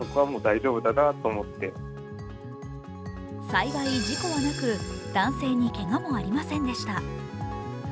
幸い事故はなく、男性にけがもありませんでした。